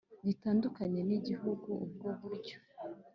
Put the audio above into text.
Gitandukanye n igihugu ubwo buryo